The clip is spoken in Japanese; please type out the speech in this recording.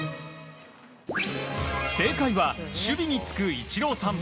正解は、守備に就くイチローさん。